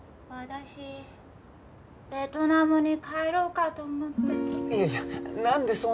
私ベトナムに帰ろうかと思って。